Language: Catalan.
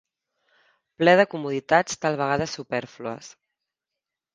Ple de comoditats tal vegada supèrflues.